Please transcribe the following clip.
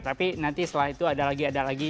tapi nanti setelah itu ada lagi ada lagi